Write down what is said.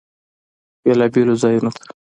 بیلابیلو ځایونو ته